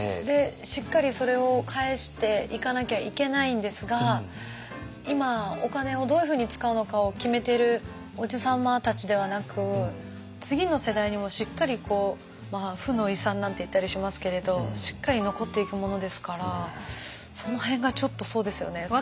でしっかりそれを返していかなきゃいけないんですが今お金をどういうふうに使うのかを決めてるおじ様たちではなく次の世代にしっかりまあ負の遺産なんて言ったりしますけれどしっかり残っていくものですからその辺がちょっとそうですよね